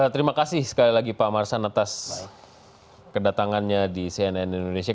terima kasih sekali lagi pak marsan atas kedatangannya di cnn indonesia